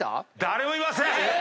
誰もいません！